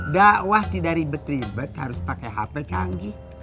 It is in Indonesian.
dakwah tidak ribet ribet harus pakai hp canggih